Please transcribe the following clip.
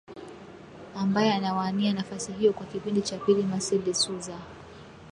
ambaye anawania nafasi hiyo kwa kipindi cha pili masse de souza